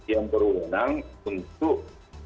yang berwenang untuk